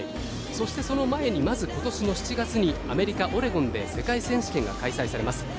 そして、その前にまず今年の７月にアメリカ・オレゴンで世界選手権が開催されます。